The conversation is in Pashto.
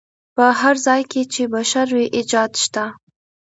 په هر ځای کې چې بشر وي ایجاد شته.